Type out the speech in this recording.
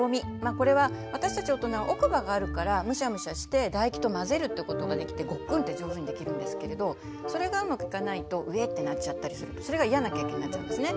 これは私たち大人は奥歯があるからムシャムシャして唾液と混ぜるってことができてごっくんって上手にできるんですけれどそれがうまくいかないとうぇってなっちゃったりするとそれが嫌な経験になっちゃうんですね。